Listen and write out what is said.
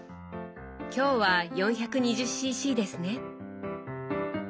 今日は４２０ｃｃですね。